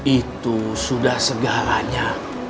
itu sudah segalanya